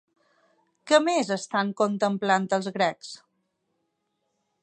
Què més estan contemplant els grecs?